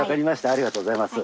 ありがとうございます。